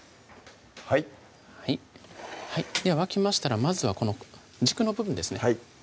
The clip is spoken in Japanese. はいでは沸きましたらまずはこの軸の部分ですね